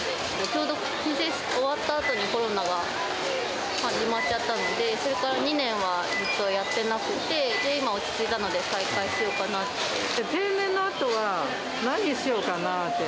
ちょうど申請終わったあとにコロナが始まっちゃったんで、それから２年はずっとやってなくて、今、落ち着いたので再開しようかなって。